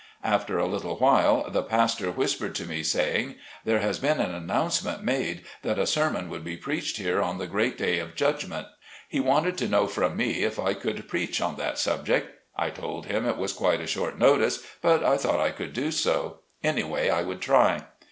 After a little while the pastor whispered to me, saying, "There has been an announcement made that a 54 SLAVE CABIN TO PULPIT. sermon would be preached here, on the great day of judgment." He wanted to know from me if I could preach on that subject. I told him it was quite a short notice, but I thought I could do so; anyway, I would try.